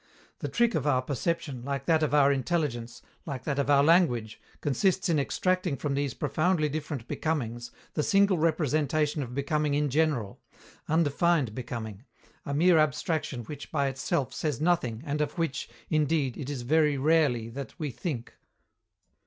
The trick of our perception, like that of our intelligence, like that of our language, consists in extracting from these profoundly different becomings the single representation of becoming in general, undefined becoming, a mere abstraction which by itself says nothing and of which, indeed, it is very rarely that we think.